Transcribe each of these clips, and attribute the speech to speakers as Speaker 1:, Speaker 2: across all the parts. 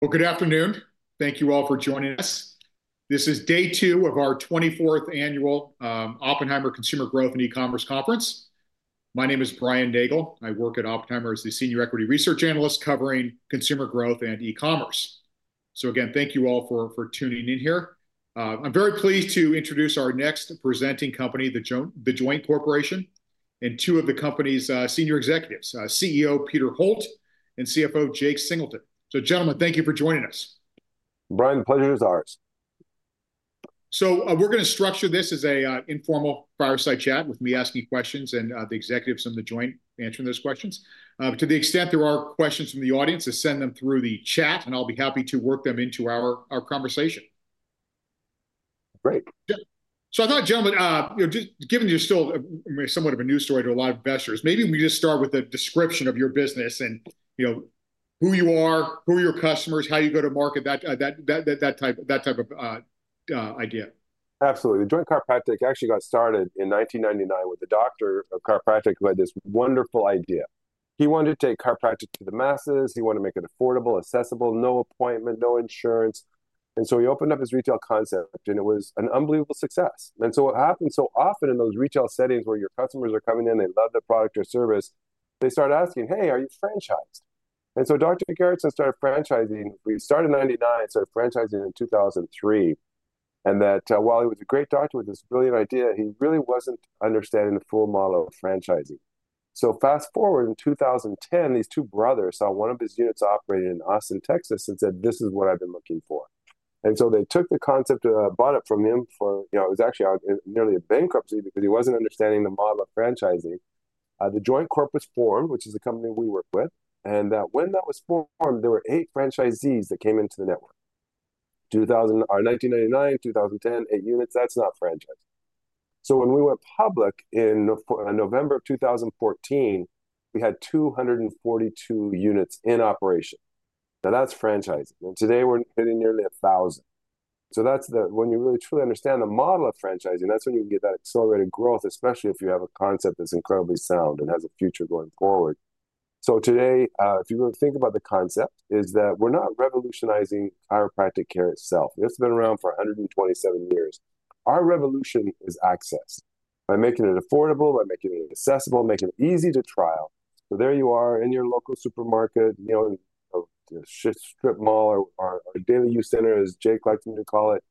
Speaker 1: Well, good afternoon. Thank you all for joining us. This is day two of our 24th annual Oppenheimer Consumer Growth and E-Commerce Conference. My name is Brian Nagel. I work at Oppenheimer as the Senior Equity Research Analyst covering consumer growth and e-commerce. Again, thank you all for tuning in here. I'm very pleased to introduce our next presenting company, The Joint Corp., and two of the company's senior executives, CEO Peter Holt and CFO Jake Singleton. Gentlemen, thank you for joining us.
Speaker 2: Brian, the pleasure is ours.
Speaker 1: We're going to structure this as an informal fireside chat with me asking questions and the executives from The Joint answering those questions. To the extent there are questions from the audience, just send them through the chat and I'll be happy to work them into our conversation.
Speaker 2: Great.
Speaker 1: So I thought, gentlemen, given you're still somewhat of a new story to a lot of investors, maybe we just start with a description of your business and who you are, who are your customers, how you go to market, that type of idea.
Speaker 2: Absolutely. The Joint Chiropractic actually got started in 1999 with a doctor of chiropractic who had this wonderful idea. He wanted to take chiropractic to the masses. He wanted to make it affordable, accessible, no appointment, no insurance. And so he opened up his retail concept and it was an unbelievable success. And so what happens so often in those retail settings where your customers are coming in, they love the product or service, they start asking, "Hey, are you franchised?" And so Dr. Gerretzen started franchising. We started in 1999, started franchising in 2003. And while he was a great doctor with this brilliant idea, he really wasn't understanding the full model of franchising. So fast forward in 2010, these two brothers saw one of his units operating in Austin, Texas, and said, "This is what I've been looking for." And so they took the concept, bought it from him for. It was actually nearly a bankruptcy because he wasn't understanding the model of franchising. The Joint Corp. was formed, which is the company we work with. And when that was formed, there were 8 franchisees that came into the network. 1999, 2010, 8 units, that's not franchise. So when we went public in November of 2014, we had 242 units in operation. Now that's franchising. And today we're hitting nearly 1,000. So that's when you really truly understand the model of franchising. That's when you can get that accelerated growth, especially if you have a concept that's incredibly sound and has a future going forward. So today, if you really think about the concept, is that we're not revolutionizing chiropractic care itself. It's been around for 127 years. Our revolution is access by making it affordable, by making it accessible, making it easy to trial. So there you are in your local supermarket, strip mall, or daily use center, as Jake likes to call it,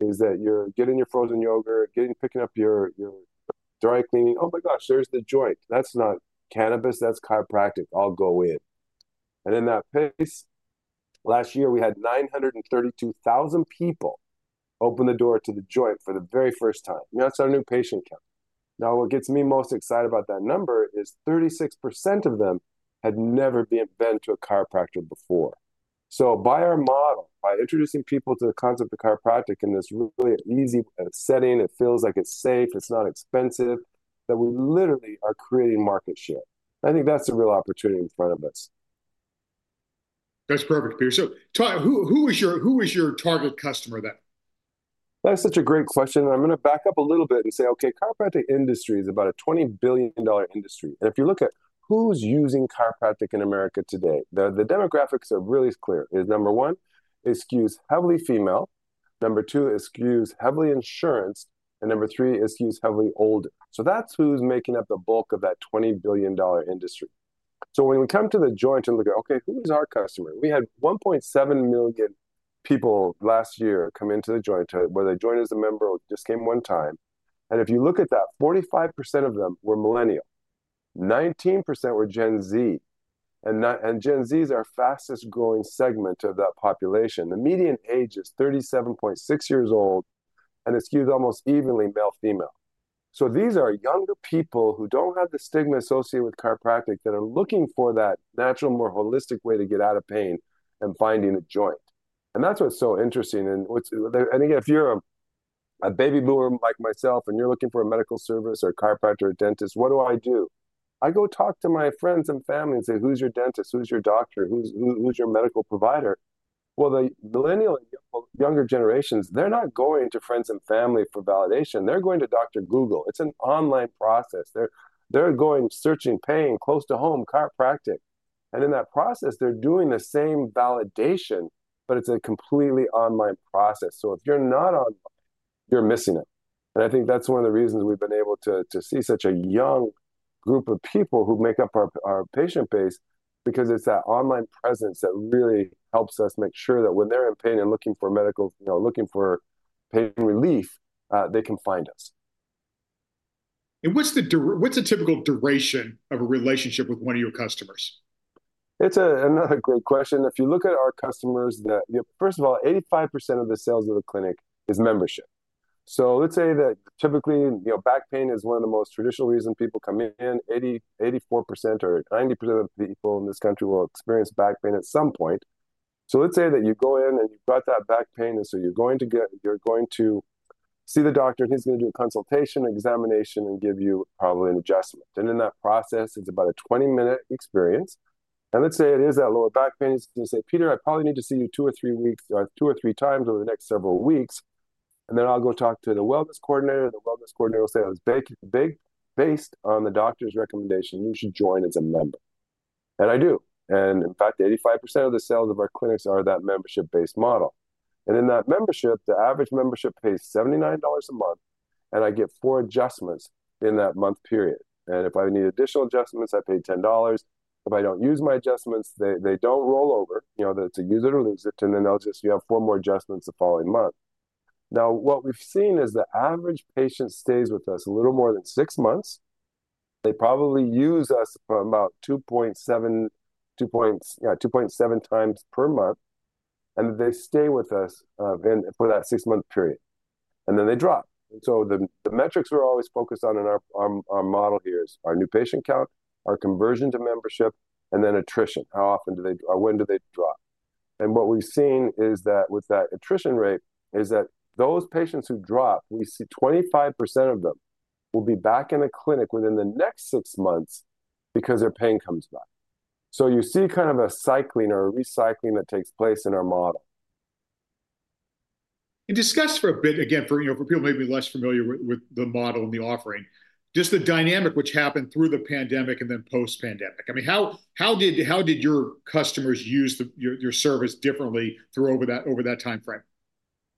Speaker 2: is that you're getting your frozen yogurt, picking up your dry cleaning. Oh my gosh, there's The Joint. That's not cannabis, that's chiropractic. I'll go in. And in that place, last year we had 932,000 people open the door to The Joint for the very first time. That's our new patient count. Now what gets me most excited about that number is 36% of them had never been to a chiropractor before. By our model, by introducing people to the concept of chiropractic in this really easy setting, it feels like it's safe, it's not expensive, that we literally are creating market share. I think that's the real opportunity in front of us.
Speaker 1: That's perfect, Peter. So who is your target customer then?
Speaker 2: That's such a great question. I'm going to back up a little bit and say, okay, chiropractic industry is about a $20 billion industry. And if you look at who's using chiropractic in America today, the demographics are really clear. Number one, it skews heavily female. Number two, it skews heavily insurance. And number three, it skews heavily old. So that's who's making up the bulk of that $20 billion industry. So when we come to The Joint and look at, okay, who is our customer? We had 1.7 million people last year come into The Joint where they joined as a member or just came one time. And if you look at that, 45% of them were millennial. 19% were Gen Z. And Gen Z is our fastest growing segment of that population. The median age is 37.6 years old. And it skews almost evenly male-female. So these are younger people who don't have the stigma associated with chiropractic that are looking for that natural, more holistic way to get out of pain and finding a Joint. And that's what's so interesting. And again, if you're a baby boomer like myself and you're looking for a medical service or a chiropractor or a dentist, what do I do? I go talk to my friends and family and say, "Who's your dentist? Who's your doctor? Who's your medical provider?" Well, the millennial and younger generations, they're not going to friends and family for validation. They're going to Dr. Google. It's an online process. They're going searching pain, close to home, chiropractic. And in that process, they're doing the same validation, but it's a completely online process. So if you're not online, you're missing it. I think that's one of the reasons we've been able to see such a young group of people who make up our patient base because it's that online presence that really helps us make sure that when they're in pain and looking for medical, looking for pain relief, they can find us.
Speaker 1: What's the typical duration of a relationship with one of your customers?
Speaker 2: It's another great question. If you look at our customers, first of all, 85% of the sales of the clinic is membership. So let's say that typically back pain is one of the most traditional reasons people come in. 84% or 90% of people in this country will experience back pain at some point. So let's say that you go in and you've got that back pain. And so you're going to see the doctor and he's going to do a consultation, examination, and give you probably an adjustment. And in that process, it's about a 20-minute experience. And let's say it is that lower back pain. He's going to say, "Peter, I probably need to see you 2x or 3x over the next several weeks." And then I'll go talk to the wellness coordinator. The wellness coordinator will say, "I was based on the doctor's recommendation. You should join as a member." And I do. And in fact, 85% of the sales of our clinics are that membership-based model. And in that membership, the average membership pays $79 a month. And I get four adjustments in that month period. And if I need additional adjustments, I pay $10. If I don't use my adjustments, they don't roll over. It's a use it or lose it. And then you have four more adjustments the following month. Now, what we've seen is the average patient stays with us a little more than six months. They probably use us for about 2.7x per month. And they stay with us for that six-month period. And then they drop. And so the metrics we're always focused on in our model here is our new patient count, our conversion to membership, and then attrition. How often do they drop? When do they drop? What we've seen is that with that attrition rate is that those patients who drop, we see 25% of them will be back in the clinic within the next six months because their pain comes back. You see kind of a cycling or a recycling that takes place in our model.
Speaker 1: You discussed for a bit, again, for people may be less familiar with the model and the offering, just the dynamic which happened through the pandemic and then post-pandemic. I mean, how did your customers use your service differently through over that timeframe?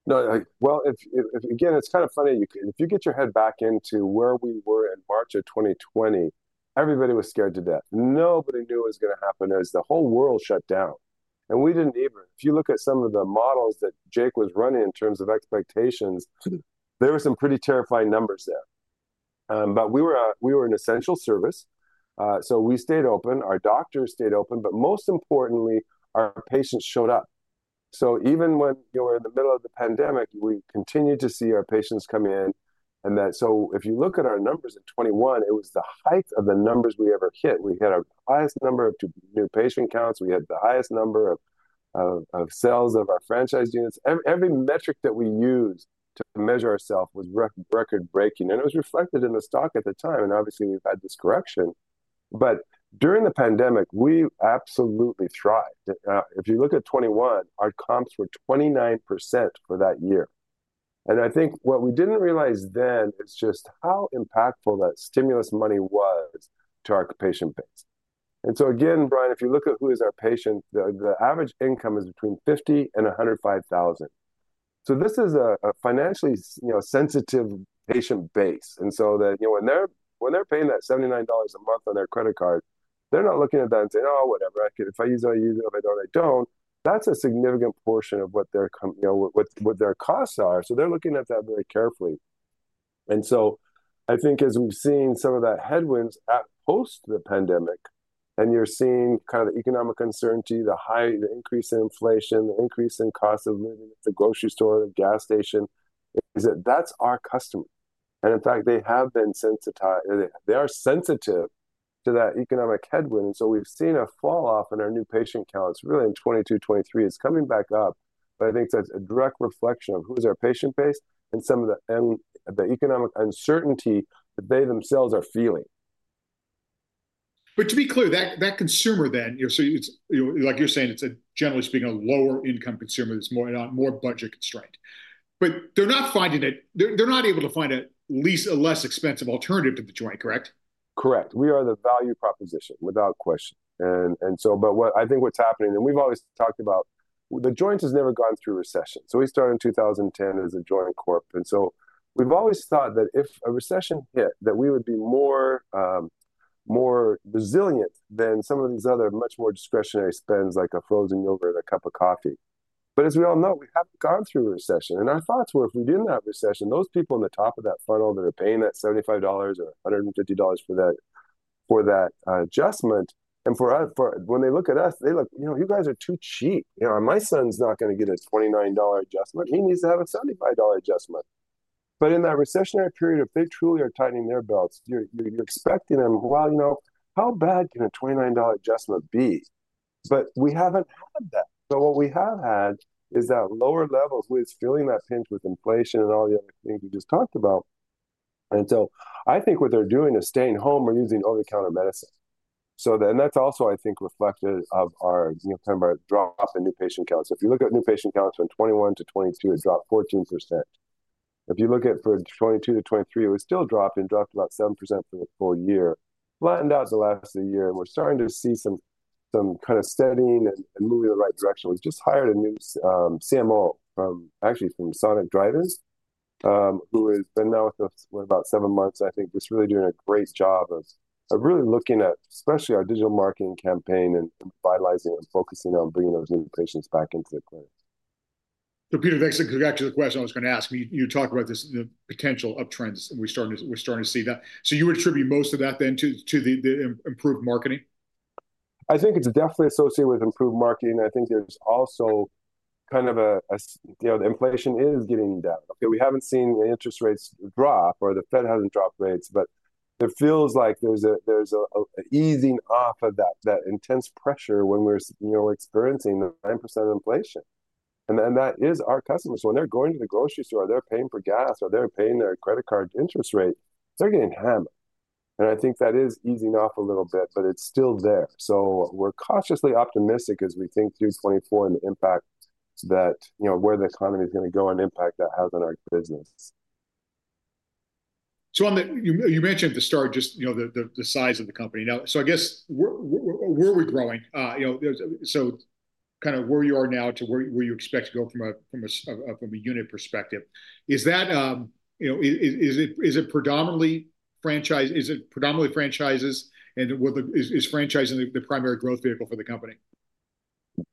Speaker 2: Well, again, it's kind of funny. If you get your head back into where we were in March of 2020, everybody was scared to death. Nobody knew what was going to happen as the whole world shut down. And we didn't even, if you look at some of the models that Jake was running in terms of expectations, there were some pretty terrifying numbers there. But we were an essential service. So we stayed open. Our doctors stayed open. But most importantly, our patients showed up. So even when we were in the middle of the pandemic, we continued to see our patients come in. And so if you look at our numbers in 2021, it was the height of the numbers we ever hit. We had our highest number of new patient counts. We had the highest number of sales of our franchise units. Every metric that we used to measure ourselves was record-breaking. It was reflected in the stock at the time. Obviously, we've had this correction. During the pandemic, we absolutely thrived. If you look at 2021, our comps were 29% for that year. I think what we didn't realize then is just how impactful that stimulus money was to our patient base. So again, Brian, if you look at who is our patient, the average income is between $50,000-$105,000. This is a financially sensitive patient base. When they're paying that $79 a month on their credit card, they're not looking at that and saying, "Oh, whatever. If I use it, I use it. If I don't, I don't." That's a significant portion of what their costs are. They're looking at that very carefully. So I think as we've seen some of that headwinds post the pandemic, and you're seeing kind of the economic uncertainty, the increase in inflation, the increase in cost of living at the grocery store, the gas station, is that that's our customer. In fact, they have been sensitive. They are sensitive to that economic headwind. So we've seen a falloff in our new patient counts really in 2022, 2023. It's coming back up. But I think that's a direct reflection of who's our patient base and some of the economic uncertainty that they themselves are feeling.
Speaker 1: To be clear, that consumer then, like you're saying, it's generally speaking a lower-income consumer that's more budget constrained. But they're not finding it. They're not able to find a less expensive alternative to The Joint, correct?
Speaker 2: Correct. We are the value proposition without question. And so, but I think what's happening, and we've always talked about, The Joint has never gone through recession. So we started in 2010 as a Joint Corp. And so we've always thought that if a recession hit, that we would be more resilient than some of these other much more discretionary spends like a frozen yogurt and a cup of coffee. But as we all know, we haven't gone through a recession. And our thoughts were if we didn't have a recession, those people in the top of that funnel that are paying that $75 or $150 for that adjustment, and when they look at us, they look, "You guys are too cheap. My son's not going to get a $29 adjustment. He needs to have a $75 adjustment." But in that recessionary period, if they truly are tightening their belts, you're expecting them, "Well, you know how bad can a $29 adjustment be?" But we haven't had that. But what we have had is that lower level who is feeling that pinch with inflation and all the other things we just talked about. And so I think what they're doing is staying home or using over-the-counter medicine. And that's also, I think, reflective of kind of our drop in new patient counts. If you look at new patient counts from 2021 to 2022, it dropped 14%. If you look at for 2022 to 2023, it was still dropping, dropped about 7% for the full year, flattened out the last year. And we're starting to see some kind of steadying and moving in the right direction. We just hired a new CMO, actually from Sonic Drive-In, who has been now with us for about seven months, I think, just really doing a great job of really looking at especially our digital marketing campaign and revitalizing and focusing on bringing those new patients back into the clinic.
Speaker 1: Peter, thanks for the question. I was going to ask, you talked about the potential uptrends. We're starting to see that. You would attribute most of that then to the improved marketing?
Speaker 2: I think it's definitely associated with improved marketing. I think there's also kind of the inflation is getting down. We haven't seen interest rates drop or the Fed hasn't dropped rates, but it feels like there's an easing off of that intense pressure when we're experiencing 9% inflation. And that is our customers. When they're going to the grocery store, they're paying for gas or they're paying their credit card interest rate, they're getting hammered. And I think that is easing off a little bit, but it's still there. So we're cautiously optimistic as we think through 2024 and the impact that where the economy is going to go and impact that has on our business.
Speaker 1: So you mentioned at the start just the size of the company. So I guess where are we growing? So kind of where you are now to where you expect to go from a unit perspective. Is it predominantly franchises? And is franchising the primary growth vehicle for the company?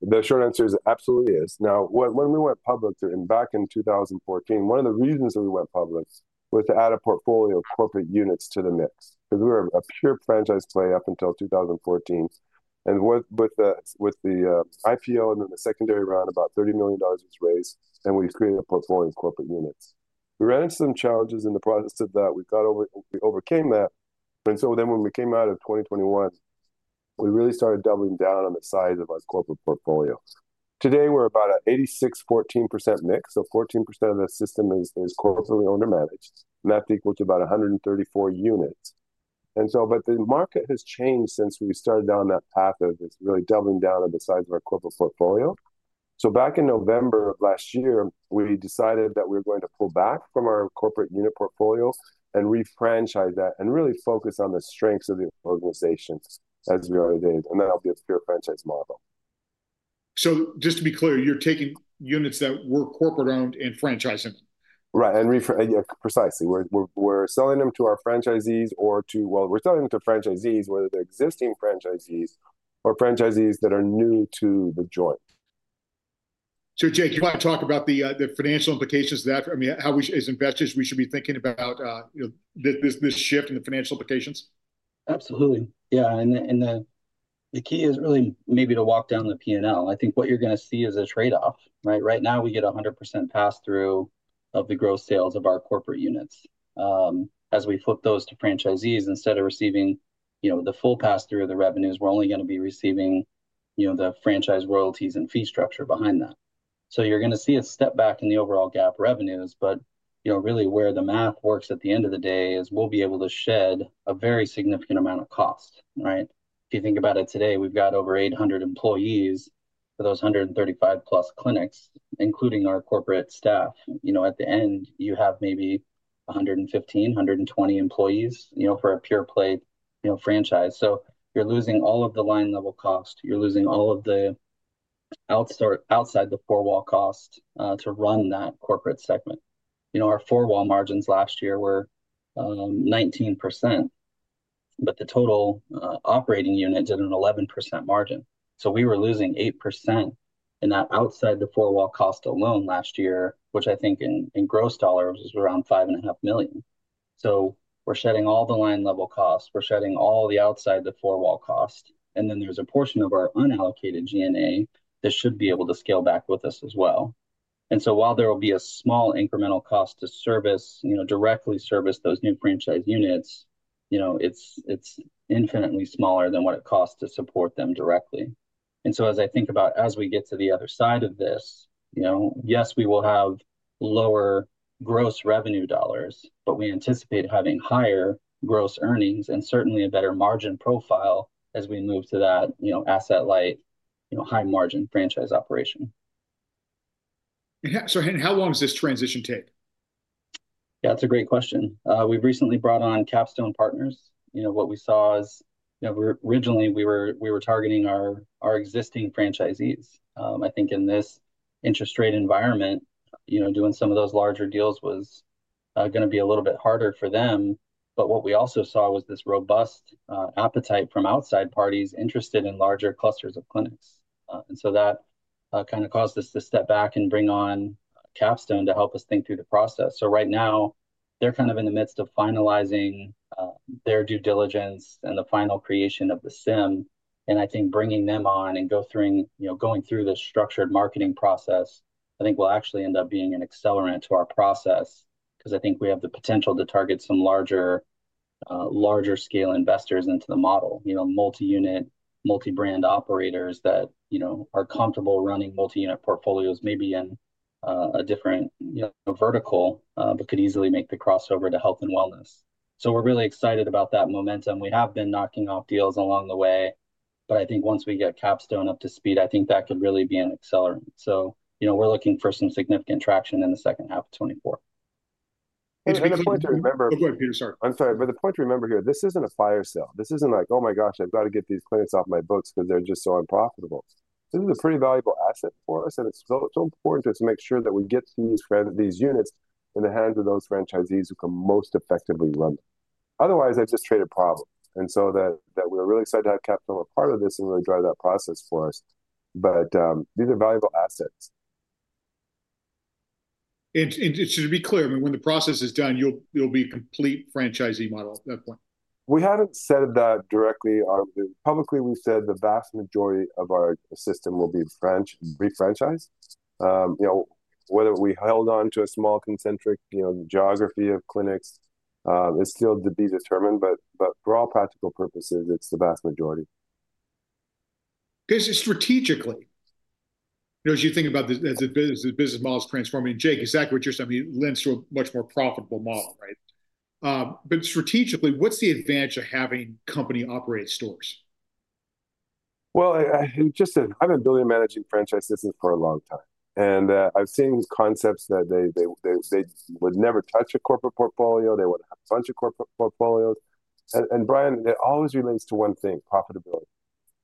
Speaker 2: The short answer is it absolutely is. Now, when we went public back in 2014, one of the reasons that we went public was to add a portfolio of corporate units to the mix because we were a pure franchise play up until 2014. With the IPO and then the secondary round, about $30 million was raised, and we created a portfolio of corporate units. We ran into some challenges in the process of that. We overcame that. So when we came out of 2021, we really started doubling down on the size of our corporate portfolio. Today, we're about an 86%-14% mix. So 14% of the system is corporately owner-managed. And that's equal to about 134 units. And so, but the market has changed since we started down that path of really doubling down on the size of our corporate portfolio. Back in November of last year, we decided that we were going to pull back from our corporate unit portfolio and refranchise that and really focus on the strengths of the organization as we are today. That'll be a pure franchise model.
Speaker 1: Just to be clear, you're taking units that were corporate-owned and franchising them?
Speaker 2: Right. And precisely. We're selling them to our franchisees or to, well, we're selling them to franchisees, whether they're existing franchisees or franchisees that are new to The Joint.
Speaker 1: So Jake, you want to talk about the financial implications of that? I mean, as investors, we should be thinking about this shift in the financial implications?
Speaker 3: Absolutely. Yeah. The key is really maybe to walk down the P&L. I think what you're going to see is a trade-off. Right now, we get 100% pass-through of the gross sales of our corporate units. As we flip those to franchisees, instead of receiving the full pass-through of the revenues, we're only going to be receiving the franchise royalties and fee structure behind that. So you're going to see a step back in the overall GAAP revenues. But really where the math works at the end of the day is we'll be able to shed a very significant amount of cost. If you think about it today, we've got over 800 employees for those 135+ clinics, including our corporate staff. At the end, you have maybe 115-120 employees for a pure-play franchise. So you're losing all of the line-level cost. You're losing all of the outside-the-four-wall cost to run that corporate segment. Our four-wall margins last year were 19%, but the total operating unit did an 11% margin. So we were losing 8% in that outside-the-four-wall cost alone last year, which I think in gross dollars was around $5.5 million. So we're shedding all the line-level costs. We're shedding all the outside-the-four-wall cost. And then there's a portion of our unallocated G&A that should be able to scale back with us as well. And so while there will be a small incremental cost to directly service those new franchise units, it's infinitely smaller than what it costs to support them directly. So as I think about, as we get to the other side of this, yes, we will have lower gross revenue dollars, but we anticipate having higher gross earnings and certainly a better margin profile as we move to that asset-light, high-margin franchise operation.
Speaker 1: So how long does this transition take?
Speaker 3: Yeah, that's a great question. We've recently brought on Capstone Partners. What we saw is originally we were targeting our existing franchisees. I think in this interest rate environment, doing some of those larger deals was going to be a little bit harder for them. But what we also saw was this robust appetite from outside parties interested in larger clusters of clinics. And so that kind of caused us to step back and bring on Capstone to help us think through the process. So right now, they're kind of in the midst of finalizing their due diligence and the final creation of the CIM. I think bringing them on and going through the structured marketing process, I think will actually end up being an accelerant to our process because I think we have the potential to target some larger-scale investors into the model, multi-unit multi-brand operators that are comfortable running multi-unit portfolios, maybe in a different vertical, but could easily make the crossover to health and wellness. So we're really excited about that momentum. We have been knocking off deals along the way, but I think once we get Capstone up to speed, I think that could really be an accelerant. So we're looking for some significant traction in the second half of 2024.
Speaker 2: The point to remember.
Speaker 1: Go ahead, Peter. Sorry.
Speaker 2: I'm sorry, but the point to remember here, this isn't a fire sale. This isn't like, "Oh my gosh, I've got to get these clinics off my books because they're just so unprofitable." This is a pretty valuable asset for us, and it's so important to make sure that we get these units in the hands of those franchisees who can most effectively run them. Otherwise, they've just created problems. And so we're really excited to have Capstone as a part of this and really drive that process for us. But these are valuable assets.
Speaker 1: To be clear, when the process is done, you'll be a complete franchisee model at that point.
Speaker 2: We haven't said that directly. Publicly, we've said the vast majority of our system will be refranchised. Whether we held on to a small concentric geography of clinics is still to be determined, but for all practical purposes, it's the vast majority.
Speaker 1: Because strategically, as you think about this as the business model is transforming, Jake, exactly what you're saying, it lends to a much more profitable model, right? But strategically, what's the advantage of having company-operated stores?
Speaker 2: Well, I've been building and managing franchise systems for a long time. I've seen these concepts that they would never touch a corporate portfolio. They wouldn't have a bunch of corporate portfolios. Brian, it always relates to one thing, profitability.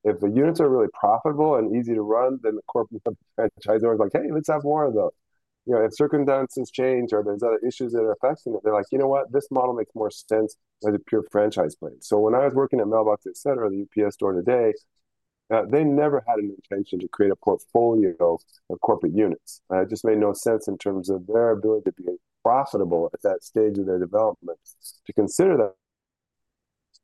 Speaker 2: If the units are really profitable and easy to run, then the corporate franchisor is like, "Hey, let's have more of those." If circumstances change or there's other issues that are affecting it, they're like, "You know what? This model makes more sense as a pure franchise plan." When I was working at Mail Boxes Etc., the UPS Store today, they never had an intention to create a portfolio of corporate units. It just made no sense in terms of their ability to be profitable at that stage of their development to consider that.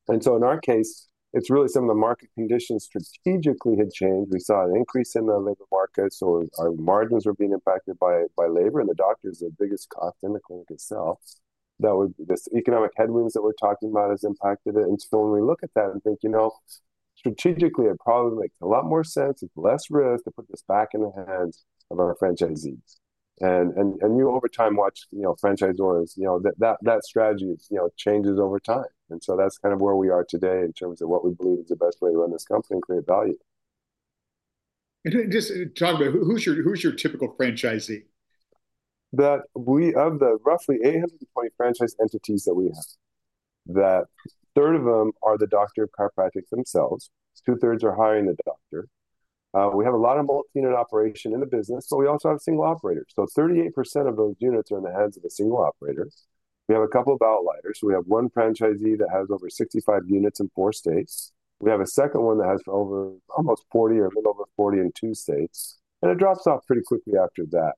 Speaker 2: In our case, it's really some of the market conditions strategically had changed. We saw an increase in the labor market, so our margins were being impacted by labor, and the doctor is the biggest cost in the clinic itself. That was this economic headwinds that we're talking about has impacted it. And so when we look at that and think, you know, strategically, it probably makes a lot more sense. It's less risk to put this back in the hands of our franchisees. And you over time watch franchisors, that strategy changes over time. And so that's kind of where we are today in terms of what we believe is the best way to run this company and create value.
Speaker 1: Just talk about who's your typical franchisee?
Speaker 2: Of the roughly 820 franchise entities that we have, that a third of them are the doctor of chiropractic themselves. 2/3 are hiring the doctor. We have a lot of multi-unit operation in the business, but we also have single operators. So 38% of those units are in the hands of a single operator. We have a couple of outliers. We have one franchisee that has over 65 units in four states. We have a second one that has over almost 40 or a little over 40 in two states. And it drops off pretty quickly after that.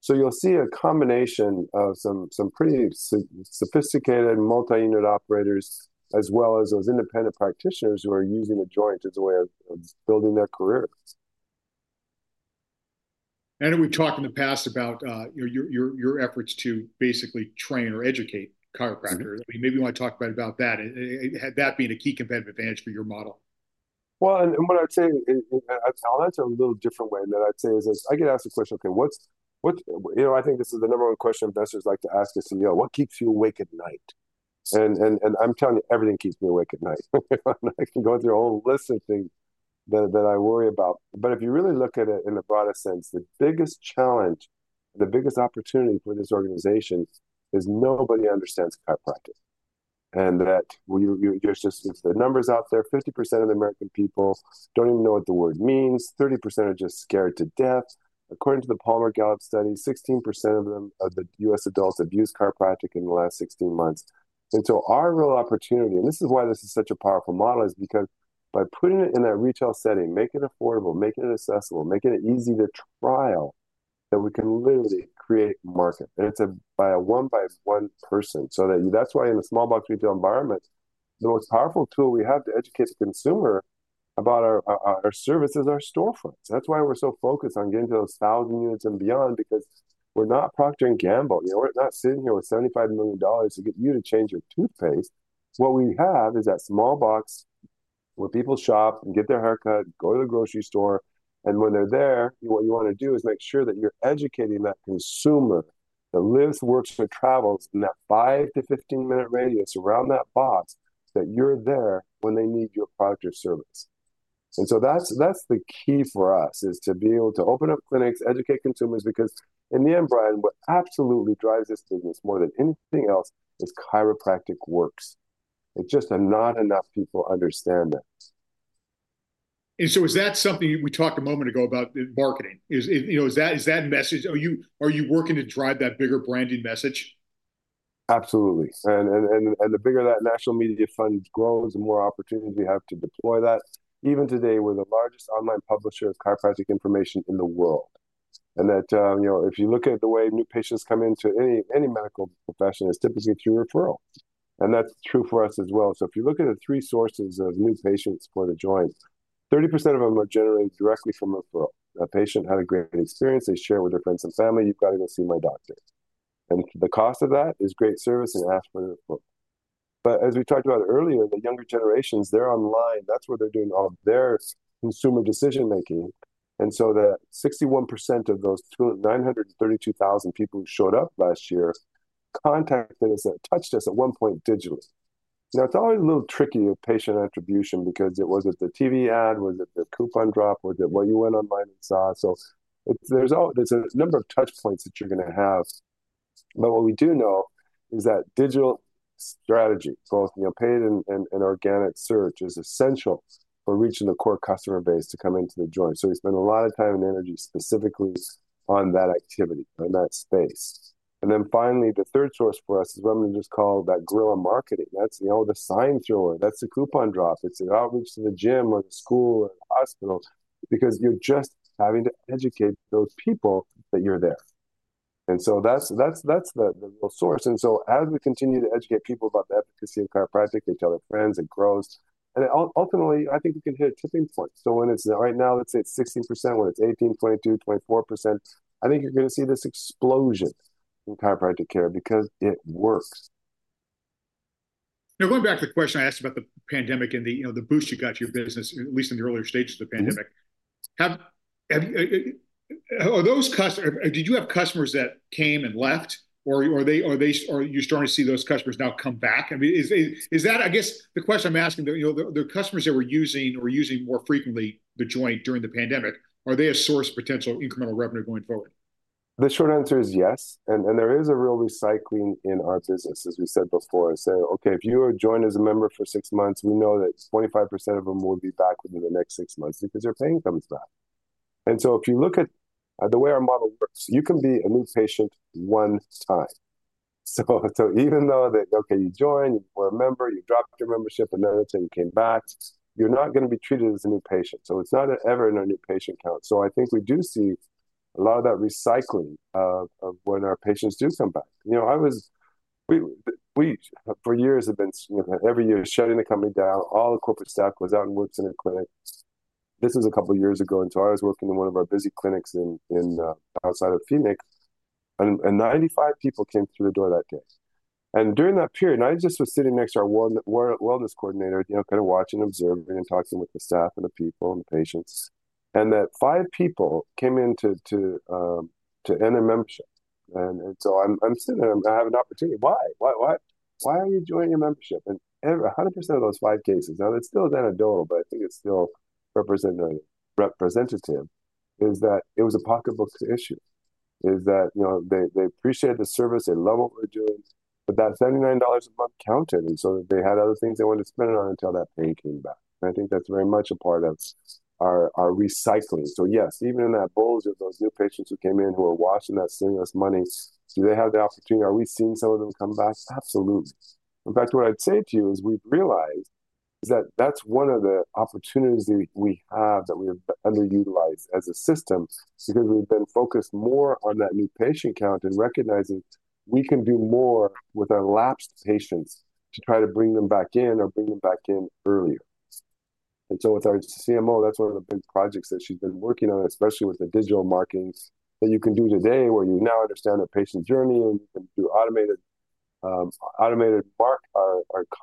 Speaker 2: So you'll see a combination of some pretty sophisticated multi-unit operators as well as those independent practitioners who are using The Joint as a way of building their careers.
Speaker 1: We've talked in the past about your efforts to basically train or educate chiropractors. Maybe you want to talk about that, that being a key competitive advantage for your model.
Speaker 2: Well, and what I'd say, I'll answer a little different way that I'd say is I get asked the question, "Okay, what's?" I think this is the number one question investors like to ask a CEO. What keeps you awake at night? And I'm telling you, everything keeps me awake at night. I can go through a whole list of things that I worry about. But if you really look at it in a broader sense, the biggest challenge, the biggest opportunity for this organization is nobody understands chiropractic. And that it's just the numbers out there. 50% of the American people don't even know what the word means. 30% are just scared to death. According to the Gallup-Palmer study, 16% of the U.S. adults have used chiropractic in the last 16 months. And so our real opportunity, and this is why this is such a powerful model, is because by putting it in that retail setting, making it affordable, making it accessible, making it easy to trial, that we can literally create a market. And it's by a 1:1 person. So that's why in a small box retail environment, the most powerful tool we have to educate the consumer about our service is our storefronts. That's why we're so focused on getting to those 1,000 units and beyond because we're not Procter & Gamble. We're not sitting here with $75 million to get you to change your toothpaste. What we have is that small box where people shop and get their haircut, go to the grocery store. When they're there, what you want to do is make sure that you're educating that consumer that lives, works, and travels in that 5-15-minute radius around that box that you're there when they need your product or service. And so that's the key for us is to be able to open up clinics, educate consumers because in the end, Brian, what absolutely drives this business more than anything else is chiropractic works. It's just not enough people understand that.
Speaker 1: Is that something we talked a moment ago about marketing? Is that message? Are you working to drive that bigger branding message?
Speaker 2: Absolutely. And the bigger that national media fund grows, the more opportunities we have to deploy that. Even today, we're the largest online publisher of chiropractic information in the world. And if you look at the way new patients come into any medical profession, it's typically through referral. And that's true for us as well. So if you look at the three sources of new patients for The Joint, 30% of them are generated directly from referral. A patient had a great experience. They share with their friends and family. You've got to go see my doctor. And the cost of that is great service and ask for the referral. But as we talked about earlier, the younger generations, they're online. That's where they're doing all their consumer decision-making. So, 61% of those 932,000 people who showed up last year contacted us and touched us at one point digitally. Now, it's always a little tricky with patient attribution because was it the TV ad, was it the coupon drop, was it what you went online and saw? So there's a number of touch points that you're going to have. But what we do know is that digital strategy, both paid and organic search, is essential for reaching the core customer base to come into The Joint. So we spend a lot of time and energy specifically on that activity, on that space. Finally, the third source for us is what I'm going to just call that guerrilla marketing. That's the sign-thrower. That's the coupon drop. It's the outreach to the gym or the school or the hospital because you're just having to educate those people that you're there. And so that's the real source. And so as we continue to educate people about the efficacy of chiropractic, they tell their friends, it grows. And ultimately, I think we can hit a tipping point. So when it's right now, let's say it's 16%, when it's 18%, 22%, 24%, I think you're going to see this explosion in chiropractic care because it works.
Speaker 1: Now, going back to the question I asked about the pandemic and the boost you got to your business, at least in the earlier stages of the pandemic, are those customers? Did you have customers that came and left? Or are you starting to see those customers now come back? I mean, is that, I guess, the question I'm asking, the customers that were using or using more frequently The Joint during the pandemic, are they a source of potential incremental revenue going forward?
Speaker 2: The short answer is yes. There is a real recycling in our business, as we said before. Okay, if you join as a member for six months, we know that 25% of them will be back within the next six months because their paying comes back. And so if you look at the way our model works, you can be a new patient one time. Even though that, okay, you join, you were a member, you dropped your membership, and then you came back, you're not going to be treated as a new patient. It's not ever in our new patient count. I think we do see a lot of that recycling of when our patients do come back. You know, I was, for years, have been every year shutting the company down. All the corporate staff was out and works in a clinic. This was a couple of years ago. So I was working in one of our busy clinics outside of Phoenix. 95 people came through the door that day. During that period, I just was sitting next to our wellness coordinator, kind of watching and observing and talking with the staff and the people and the patients. That 5 people came in to end their membership. So I'm sitting there, I have an opportunity. Why? Why are you joining your membership? 100% of those 5 cases, now that's still anecdotal, but I think it's still representative, is that it was a pocketbook issue. They appreciate the service, they love what we're doing, but that $79 a month counted. So they had other things they wanted to spend it on until that pay came back. I think that's very much a part of our recycling. So yes, even in that pool of those new patients who came in who are watching their spending of money, do they have the opportunity? Are we seeing some of them come back? Absolutely. In fact, what I'd say to you is we've realized that that's one of the opportunities we have that we have underutilized as a system because we've been focused more on that new patient count and recognizing we can do more with our lapsed patients to try to bring them back in or bring them back in earlier. With our CMO, that's one of the big projects that she's been working on, especially with the digital marketings that you can do today where you now understand the patient's journey and you can automated mark our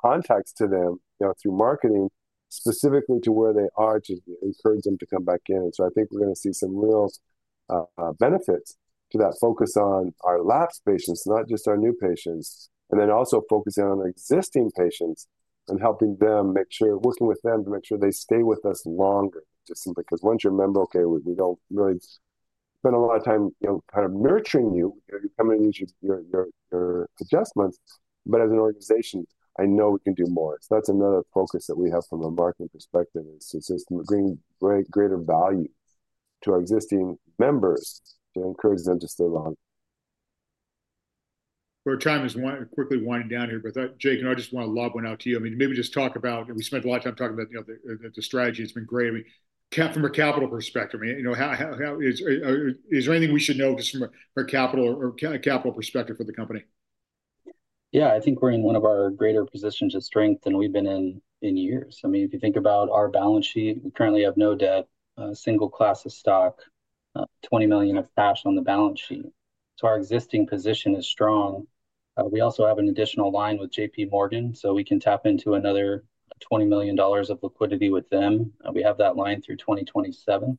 Speaker 2: contacts to them through marketing specifically to where they are to encourage them to come back in. And so I think we're going to see some real benefits to that focus on our lapsed patients, not just our new patients, and then also focusing on existing patients and helping them make sure, working with them to make sure they stay with us longer. Just simply because once you're a member, okay, we don't really spend a lot of time kind of nurturing you. You're coming to use your adjustments. But as an organization, I know we can do more. That's another focus that we have from a marketing perspective is to just bring greater value to our existing members to encourage them to stay longer.
Speaker 1: Our time is quickly winding down here. But Jake, I just want to lob one out to you. I mean, maybe just talk about, we spent a lot of time talking about the strategy. It's been great. I mean, from a capital perspective, I mean, is there anything we should know just from a capital perspective for the company?
Speaker 3: Yeah, I think we're in one of our greater positions of strength than we've been in years. I mean, if you think about our balance sheet, we currently have no debt, single class of stock, $20 million of cash on the balance sheet. So our existing position is strong. We also have an additional line with JPMorgan, so we can tap into another $20 million of liquidity with them. We have that line through 2027.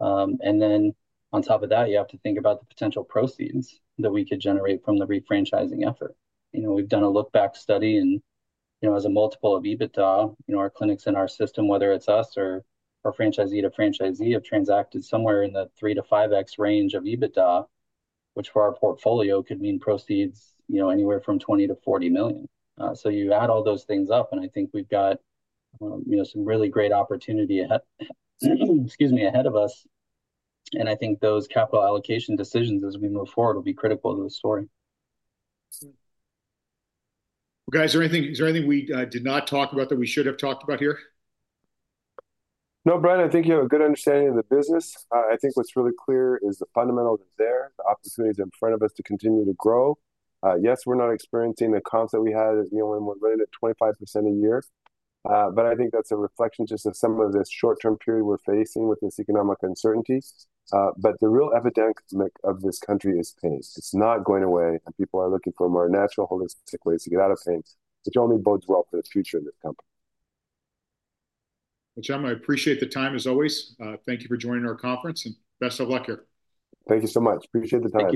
Speaker 3: And then on top of that, you have to think about the potential proceeds that we could generate from the refranchising effort. We've done a look-back study and as a multiple of EBITDA, our clinics in our system, whether it's us or our franchisee to franchisee have transacted somewhere in the 3x-5x range of EBITDA, which for our portfolio could mean proceeds anywhere from $20 million-$40 million. So you add all those things up, and I think we've got some really great opportunity, excuse me, ahead of us. And I think those capital allocation decisions as we move forward will be critical to the story.
Speaker 1: Well, guys, is there anything we did not talk about that we should have talked about here?
Speaker 2: No, Brian, I think you have a good understanding of the business. I think what's really clear is the fundamentals are there, the opportunities in front of us to continue to grow. Yes, we're not experiencing the comps that we had as we only were running at 25% a year. But I think that's a reflection just of some of this short-term period we're facing with this economic uncertainty. But the real epidemic of this country is pain. It's not going away, and people are looking for more natural, holistic ways to get out of pain, which only bodes well for the future of this company.
Speaker 1: Well, Jem, I appreciate the time as always. Thank you for joining our conference and best of luck here.
Speaker 2: Thank you so much. Appreciate the time.